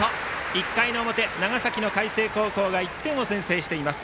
１回の表、長崎の海星高校が１点を先制しています。